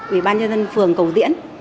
ủy ban nhân dân phường cầu diễn